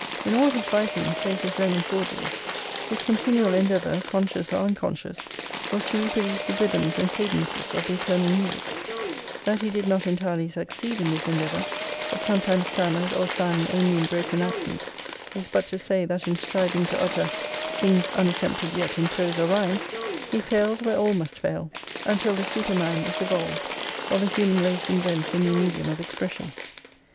In all his writings (save his "Roman Forgeries") his continual endeavour, conscious or unconscious, was to reproduce • the rhythms and cadences of the eternal music' That he did not entirely succeed in this endeavour, but some times stammered or sang only in broken accents, is but to say that in striving to utter " Things unattenipted yet in prose or rhyme, ' he failed where all must fail, until the Super man is evolved, or the human race invents a new medium of expression.